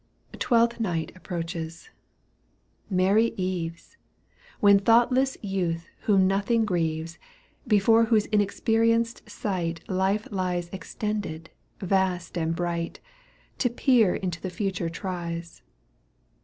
^ Twelfth Night approaches. Merry eves !" When thoughtless youth whom nothing grieves, Before whose inexperienced sight Life lies extended, vast and bright, To peer into the future tries.